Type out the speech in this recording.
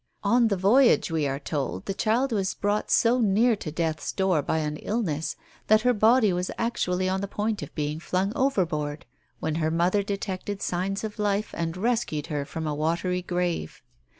On the voyage, we are told, the child was brought so near to death's door by an illness that her body was actually on the point of being flung overboard when her mother detected signs of life, and rescued her from a watery grave.